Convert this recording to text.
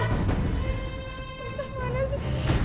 entah mana sih